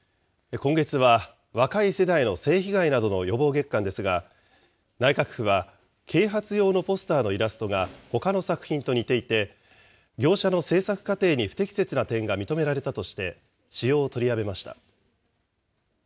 今月は若い世代の性被害などの予防月間ですが、内閣府は啓発用のポスターのイラストがほかの作品と似ていて、業者の制作過程に不適切な点が認められたとして、使用を取りやめました。